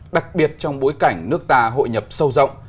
đặc biệt trong bối cảnh nước ta hội nhập sâu rộng